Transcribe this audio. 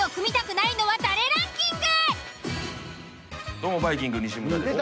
どうもバイきんぐ西村です